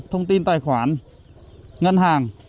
thông tin tài khoản ngân hàng